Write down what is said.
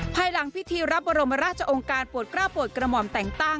ภายหลังพิธีรับบรมราชองค์การปวดกล้าปวดกระหม่อมแต่งตั้ง